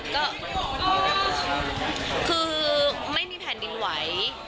ก็คือไม่มีแผ่นดินไหว